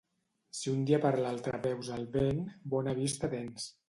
Si un dia per l'altre veus el vent, bona vista tens.